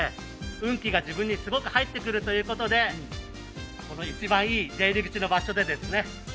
運気が自分にすごく入ってくるということでこの一番いい出入り口の場所でですね